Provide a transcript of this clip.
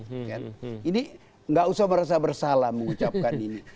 ini nggak usah merasa bersalah mengucapkan ini